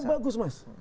gambar yang bagus mas